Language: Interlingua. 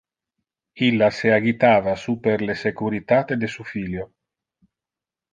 Illa se agitava super le securitate de su filio.